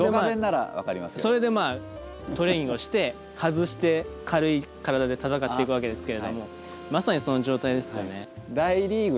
それでまあトレーニングをして外して軽い体で戦っていくわけですけれどもまさにその状態ですよね。